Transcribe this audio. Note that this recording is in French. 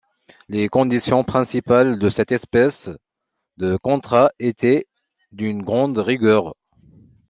Les conditions principales de cette espèce de contrat étaient d'une grande rigueur.